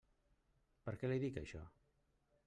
Per què li dic això?